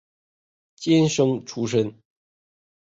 监生出身。